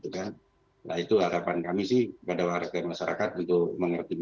nah itu harapan kami pada warga masyarakat untuk mengharapkan